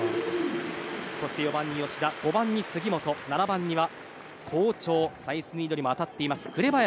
そして４番に吉田、５番に杉本７番には、好調サイスニードにも当たっています紅林。